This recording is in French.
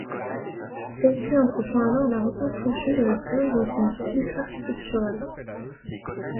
Celle-ci entreprend alors la reconstruction de la fosse, dans son style architectural.